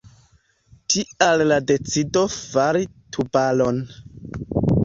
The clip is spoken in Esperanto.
Tial la decido fari Tubaron.